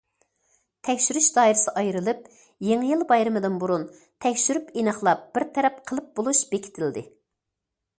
تەكشۈرۈش دائىرىسى ئايرىلىپ، يېڭى يىل بايرىمىدىن بۇرۇن تەكشۈرۈپ ئېنىقلاپ بىر تەرەپ قىلىپ بولۇش بېكىتىلدى.